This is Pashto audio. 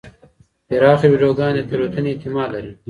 پراخه ویډیوګانې د تېروتنې احتمال لري.